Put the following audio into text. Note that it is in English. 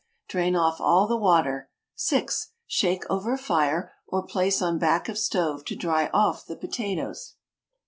Drain off all the water. 6. Shake over fire, or place on back of stove to dry off the potatoes.